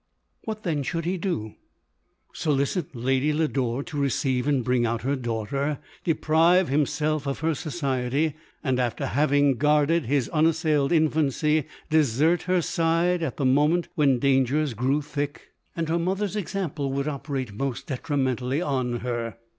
What then should he do ? Solicit Lady Lodore to receive and bring out her daughter ? Deprive himself of her society ; and after hav ing guarded her unassailed infancy, desert her side at the moment when dangers grew thick, LODOHI. 213 and her mother's example would operate mosl detrimentally on her